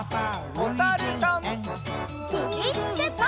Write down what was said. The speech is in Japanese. おさるさん。